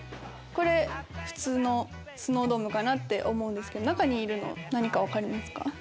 これ普通のスノードームかなって思うんですけど中にいるの何か分かりますか？